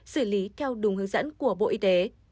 xử lý theo đúng hướng dẫn của bộ y tế